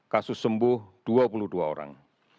kasus sembuh dua puluh dua orang